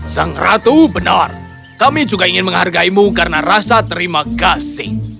sang ratu benar kami juga ingin menghargaimu karena rasa terima kasih